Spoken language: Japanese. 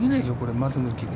松抜きで。